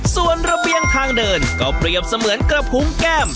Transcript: ส่วนระเบียงทางเดินก็เปรียบเสมือนกระพุงแก้ม